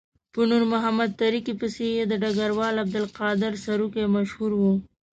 په نور محمد تره کي پسې یې د ډګروال عبدالقادر سروکي مشهور وو.